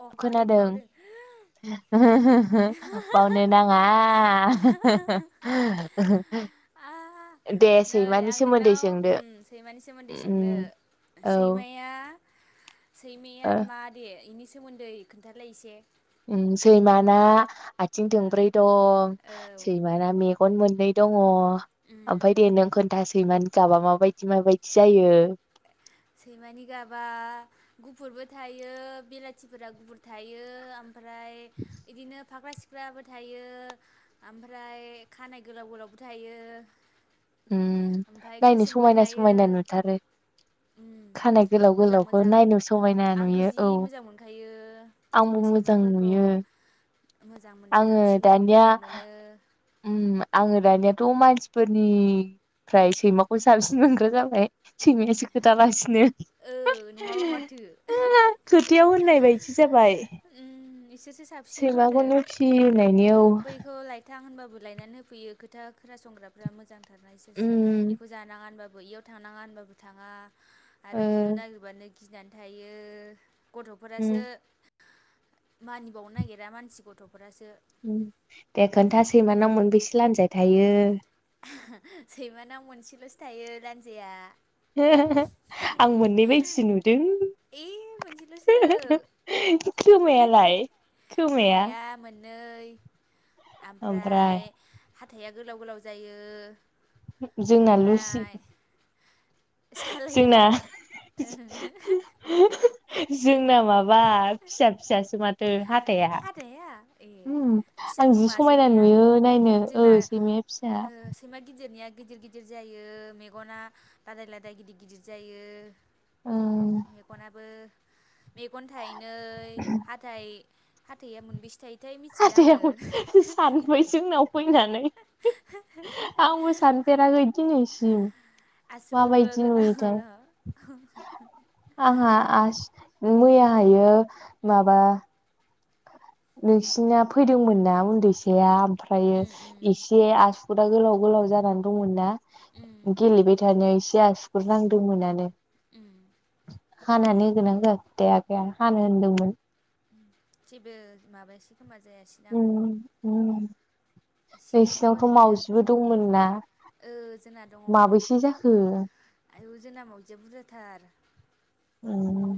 अ बावदों खोनादों बावदों हो [unintelligible] बावनो नाङा [unintelligible] आ दे नै सैमानि आं सोमोन्दै नोंनाव सोंदो ओम सैमानि सोमोन्दै सोंनो उम औ सैमाया सैमाया ओ मा दे इनि सोमोन्दै खोन्थालाय एसे ओम सैमाना आथिं ओ दोंब्रै दं औ सैमाना मेगन मोननै दङ ओमफ्राय दे नों खोन्थासैमानि गाबा माबायदि माबायदि जायो सैमानि गाबा गुफुरबो थायो बेलाथिफोरा गुफुर थायो ओम फ्राय बिदिनो फाख्रा सिख ख्राबो थायो ओमफ्राय खानाय गोलाव गोलावबो थायो ओम ओमफाय नायनो समायना समायना नुथारो ओम खानाय गोलाव गोलावखौ नायनो समायना आंथ' नुयो जि औ मोजां मोनखायो आंबो मोजां सैमाफोरखौ नुयो मोजां मोनथारो फिसिनोबो मोजां मोनो ओम आङो दानियाथ' मानसिफोरनिफ्राय सैमाखौ साबसिन मोनग्रा जाबाय सैमायासो खोथालासिनो ओ नङाबा माथो [unintelligible] खोथायाव होननाय बायदि जाबाय। ओम सैमाखौनो फिसिनायनि औ खोथा होनबाबो लायनानै होफैयो खोथा खोनासंग्राफ्रा मोजांथार उम इसोरसो इखौ जानाङा होनबा बैयाव थांनाङा होनबाबो थाङा आरो ओ बुनो नागिरबानो गिनानै थायो उम गथ'फोरासो मानिबावनो नागिरा मानसि गथ' दे खोन्था सैमानाव मोनबेसे लानजाय थायो सैमाना मोनसेल'सो थायो लान्जाया [unintelligible] आं मोननै बायदिसो नुदों एह मोनसेल'सो खोमायालाय खोमाया मोन नै ओमफ्राय आमफ्राय हाथाया गोलाव गोलाव जायो जोंना लुसि जोंना सालायहा [unintelligible] जोंना माबा फिसा फिसासो माथो हाथाय आ हाथाया ए ओम फिसा आं जि खोमा समायना सैमाया नुयो नायनो ओ जोंना सैमाया फिसा ओ सैमा गिदिरनिया गिदिर गिदिर जायो मेगना लादाय लादाय गिदिर गिदिर ओं जायो मेगनाबो मेगन थाइनै हाथाइ हाथाइया मोनबेसे थाइ हाथाया [unintelligible] सानफै जोंनाव फैनानै आंबो सानफेराखै दिनैसिम आसुगुरबो माबायदि गोलाव नुयो थाय गोलाव आंहा आस मैया हायो माबा नोंसिना फैदोंमोन ना उन्दैसाया ओमफ्रायो उम उम एसे आसुगुर गोलाव गोलाव जानानै दंमोनना गेलेबाय थानायाव एसे आसुगुर नांदोंमोनानो ओम हानानै होगोना होआखैथाय आगैया हानो होनदोंमोन जेबो माबायासै खोमा जायासैदां उम उम एसेल' नोंसिनावथ' ओरैनो मावजिबो दंमोन ना? ओ जोंना दङ माबोसे जाखो आयौ जोंना मावजाया जि बुरजाथार उम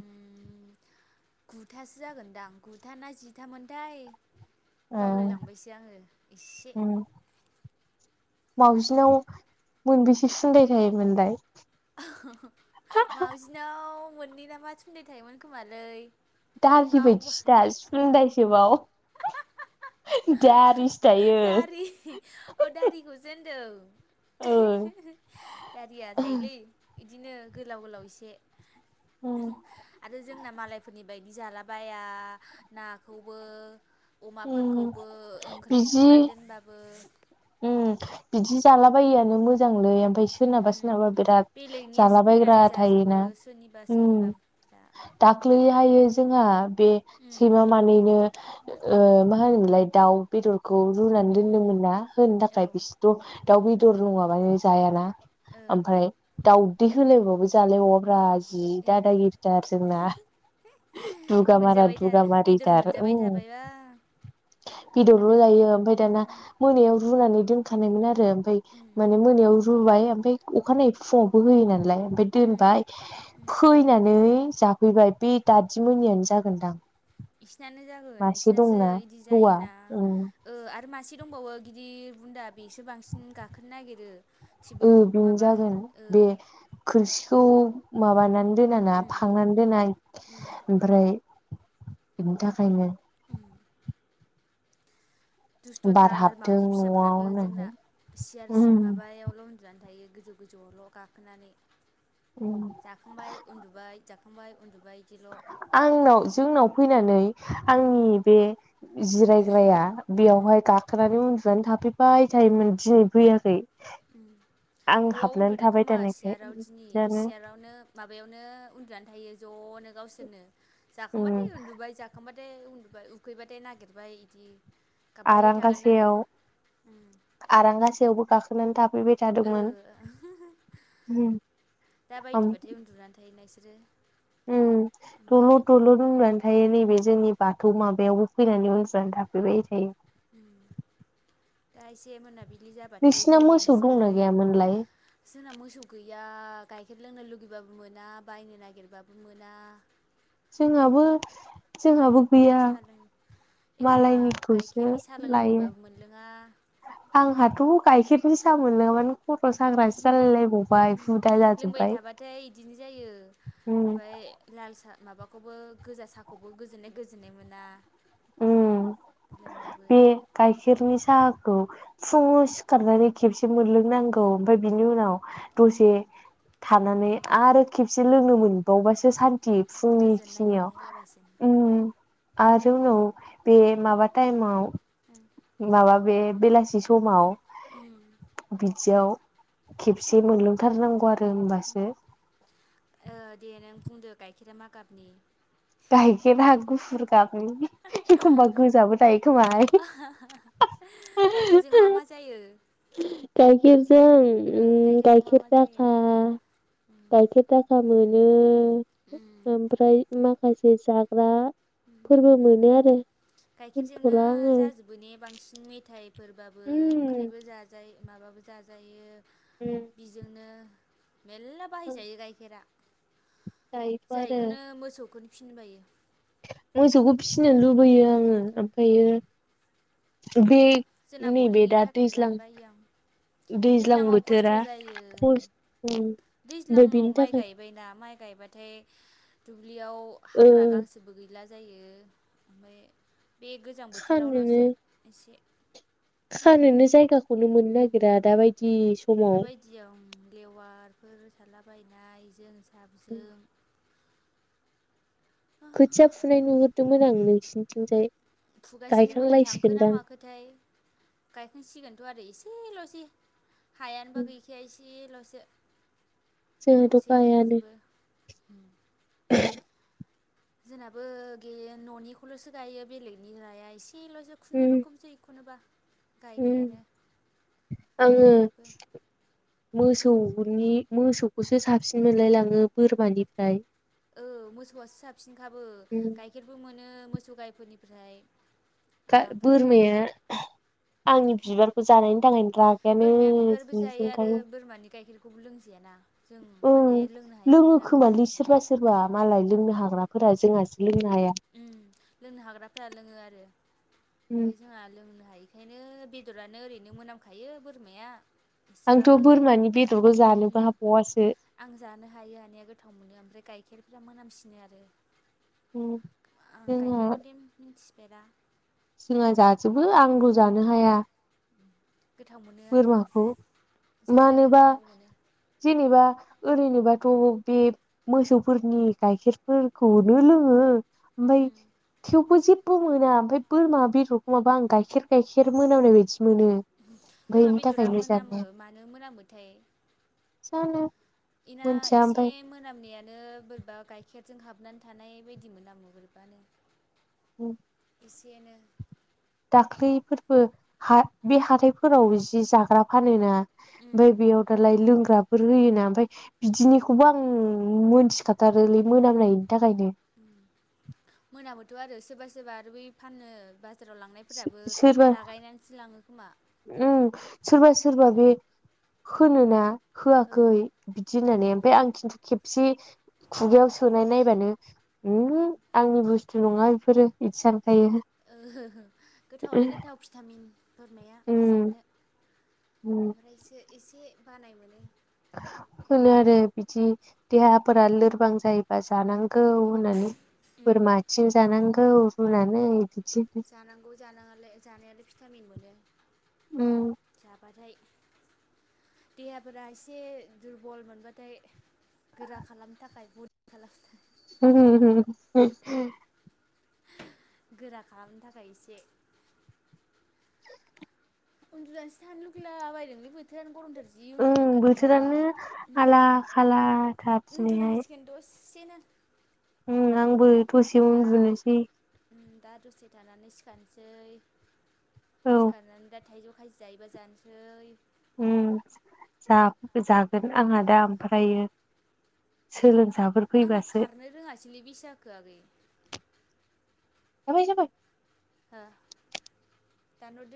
गुथासो जागोनदां गुथा ना जिथामोनथाय बावलायलांबायसै आङो एसे उ मावजिनाव मोनबेसे सुन्दाय थायोमोनलाय? माउजिनाव मोननै नामा सुनदाइ थायोमोन खोमालै दारजि बावबाय बायदिसो दा सुनदाइ सोबाव थायो दारि अ दारिखौ जेन ओ दारिया थायोलै बिदिनो गोलाव गोलाव एसे उम आरो जोंना मालायफोरनि बायदि जालाबाया नाखौबो उम अमाफोरखौबो ओंख्रि बिदि संनानै दोनबाबो बिदि जालाबायैआनो मोजां लै ओमफ्राय उम सोरनाबा सोरनाबा बिराद बेलेगनियासो जालाबायग्रा फैनानै जाजोबो थायोना सोरनिबा सोरनिबाफ्रा दाख्लै हायो जोंहा बे उम सैमा मानैनो मा होनोमोनलाय दाउ बेदर खौ रुनानै उम दोन्दोंमोन ना होनो औ थाखाय बिसोरथ' दाउ बेदर नङाबानो जायाना ओ ओमफ्राय दावदै होलायबाबो जालाय बावाब्रा जि ओ दादागिरिथार जोंना दुगामारा मोनजाबाय था बेदर दुगामारिथार मोनजाबाय उम थाबायबा बेदरल' ओंखायनो जायो ओमफ्राय दाना मोनायाव रुनानै दोनखानायमोन आरो ओमफ्राय माने मोनायाव रुबाय ओमफ्राय अखानायै फुङावबो होयो नालाय ओमफ्राय उम दोनबाय फैनानै जाफैबाय बे दादि मोननियानो जागोनदां बिसिनानो जागोन मासे बिसिनासो दंना बिदि हौवा जायोना उम ओ आरो मासे दंबावो गिदिर बुन्दा बेसो बांसिन गाखोनो नागिरो। ओ टेबोल बेनो माबा जागोन बे ओ खोरखिखौ माबानानै दोनाना फांनानै दोना ओमफ्राय बिनि थाखायनो उम बार दुस्थ'थार हाबदों मावजि न'आव फिसाफ्राबो जोंना होननानै सियार माबायावल' उन्दुनानै थायो। गोजौ गोजौआवल' गाखोनानै उम जाखांबाय उन्दुबाय जाखांबाय उन्दुबाय बिदिल' आंनाव जोंनाव फैनानै ओं आंनि बे जिरायग्राया बेयावहाय गाखोनानै उन्दुनानै थाफैबाय थायोमोन दिनै फैयाखै। उम आं न'आव हाबनानै उन्दुदों थाबाय खोमा थानायखाय सियाराव दिनै जानो सियारावनो माबायावनो उन्दुनानै थायो ज'नो गावसोरनो जाखांबाथाय उम उन्दुबाय जाखांबाथ थाय उन्दुबबाय उखैबाथाय नागिरबाय बिदि आरांगा सायाव आरांगा सायावबो गाखोनानै थाबाय ओ दा ओम बायदिबाथाय उन्दुनानै थायो ना इसोरो उम दल'थ ओमफ्राय दल'थ उन्दुनानै थायो उम नैबे जोंनि बाथौ माबा बायावबो फैनानै उन्दुनानै थाफैबाय थायो। दा एसे मोना नोंसिना मोसौ दंना गैयामोनलाय? जोंना मोसौ गैया गाइखेर लोंनो लुगैबाबो मोना बायनो नागिरबाबो मोना। जोंहाबो जोंहाबो गैया सा लोंनो मालायनिखौसो लायो लुगैबाबो मोनलोङा आंहाथ' गायखेरनि सा मोनलोङाबानो खर' साग्रासो जालायलायबावबाय हुदा लोंबाय जाजोब्बाय थाबाथाय बिदिनो जायो। उम ओमफ्राय लाल साह माबाखौबो गोजा साहाखौबो गोजोननाय गोजोननाय मोना। उम। लोंबाबो बे गाइखेरनि साहाखौ फुङाव सिखारनानै खेबसे मोनलोंनांगौ ओमफ्राय बिनि उनाव उम दसे थानानै आरो खेबसे लोंनो मोनबावबासो सान थि फुंनि गोजोननाय खिनियाव मोनलायलाबासिनो आरो उनाव बे माबा टाइमाव माबा बे बेलासि समाव बिदियाव खेबसे मोनलोंथारनांगौ आरो होमबासो ओ दे नों बुंदो गाइखेरा मा गाबनि। गायखेरा गुफुर गाबोन एखमबा गोजाबो थायोखोमाह। गाइखेरजों मा मा जायो? गाइखे जों ओ उम गाइखेरजों मा गाइखेर मा दा जायो ओ गाइखेर दाखा मोनो। उम ओमफ्राय माखासे जाग्रा गायखेरजोंनो होनथ'ला आङो जाजोबो ने बांसिन मेथाइ फोरबाबो उम ओंख्रिबो जाज माबाबो जाजायो उम बिजोंनो मेल्ला आं बाहायजायो गाइखेरा दायोथ' आरो जायखौनो मोसौखौनो फिनबायो मोसौखौ फिसिनो लुबैयो आङो ओमफ्रायो बे जोंना गलि नैबे गैयिनि दा थाखायनो लानो दैज्लां बायो आं दैज्लां दैज्लाङाव खस्थ' बोथोरा जायो फस ओमफ्राय दैज्लाङाव बिनि माइ थाखाय गायबायनाा माइ गायबाथाय दुब्लियाव ओ हाग्रा गां गैला। जायो ओमफ्राय बे गोजां खानोनो बोथोरावल'सो एसे। खानोनो जायगाखौनो मोननो नागिरा दाबायदि समाव दाबायदियाव लेवारफोर सारलाबायनायजों साबजों खोथिया फुनाय नुहुरदोंमोन आं नोंसिोरनिथिंजाय। फुगासिनोमोन थांख ना माखोथाय गायखांसिगोनथ' आरो एसे एसेल'सि हा नो बा एसेल'स। जों थो खायानो। [inaudible] [inaudible] जोंनाबो गैयो न'निखौल'सो गायो बेलेगनि लाया इसे इसे उम खुनुरुखुसैखनोबा। उम गायनायानो आङो जेबो मोसौनि मोसौखौसो साबसिन मोनलायलाङो बोरमानिफ्राय औ मोसौआसो साबफिनखाबो उम गाइखेरबो मोनो मोसौ गायफोरनिफ्राय ओमफ्राय बोरमाया आंनि बिबारखौ जानायनि थाखायनो रागायानो बोरमाया जिजोंखाय बे खौबो लोंजायााना? उ लोङो खोमालै सोरबा सोरबा मालाय लोंनो हाग्राफोरा जों ओ लोंनो हाग्राफोरा लोङो आरो उम ओमफफ्राय जोंहा लोंनो हायो बेखायनो बेदरानो ओरैनो मोनामखायो बोरमाया। आंथ' एसेबाबो बोरमानि बे, आं जानो हायो हानिया गोथाव मोनो ओमफ्राय गायखेर गाइखेरफ्रा मोनामसिनो आरो। उ। ओ गाइखेखौ मिथिफेरा। जोंहा जाजोबो आंल' जानो हाया। गोथाव मोनो आंबो बोरमाखौ जानो मानोबा गोथाव मोनो जेनेबा ओरैनोबाथ' बे मोसौफोरनि गाइखेरफोरखौनो लोङो। ओमफाय थेवबो जे बो मोनाओमफ्राय बोरमा बेदरखौ माबा आं गाइखेर गाइखेर मोनामनाय बायदि मोनो। बोरमा बेनि बेदरा थाखायनो मोनामो जानाया मानो मोनामोथाय? जानो। इना मोनथिया इसे ओमफाय मोनानायानो बोरैबा गाइखेर जों हाबनानै थानाय बायदि मोनामो मोरैबानो। उम एसेनो दाख्लैफोरबो हा बे हाथायफोराव जि जाग्रा फानोना ओमफ्राय बेयाव दालाय लोंग्रा फोर होयोना ओमफफ्राय बिदिनिखौबो आं मोनथिखाथारोलै मोनामनाय मोनामोथ' आरो सोरबा सोरबा आरो बै फाननो बा जाराव लांनायफोराबो लागायनानैसो लाङो खोमा। उम सोरबा सोरबा बे होनोना औ होआखै बिदि औ ओ होननानै ओमफाय आं खिन्थु खेब से खुगायाव सोनाय नायबानो आंनि बुस थु नङा इफोरो इदि सान ओ गोथावलाय ओम गोथाव भिटामिन बोरमाया जानो। ओम ओमफ्रायसो एसे बानाय मोनो। होनो आरो बिदि देहाफोरा लोरबां जायोबा जानां गौ होननानै बोरमा आथिं जानांगौ होननानै जानांगौ जानाङालाय जानायालाय भिटामिन मोनो ओम जाबाथाय। देहाफोरा एसे दुरबल मोनबाथाय गोरा खालामनो थाखाय बरिं खालामनो थाख [unintelligible] गोरा खालामनो थाखाय एसे उन्दुनानैसोनो लुगैलाबायदोंलै बोथोरानो गरमथार जि उन्दुनो उम ओंखारदों माबा बोथोरानो आला खाला थार दिनैहाय। बेनो उम आंबो दसे उन्दुनोसै। दा दसे थानानै सिखारसै औ सिखारनानै दा थाइजौ खाजि जायोबा जानोसै। उम जा-जागोन आंहा दा ओमफ्रायो। सोल आंना खारनो रोङासैलै बिसाखो आगै। जाबाय जाबाय। हा दानहरदो।